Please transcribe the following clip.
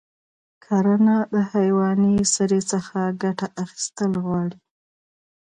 کرنه د حیواني سرې څخه ګټه اخیستل غواړي.